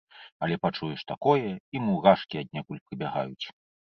Але пачуеш такое, і мурашкі аднекуль прыбягаюць.